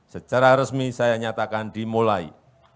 secara resmi saya nyatakan dimulai